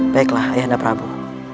baiklah ayah anda pramu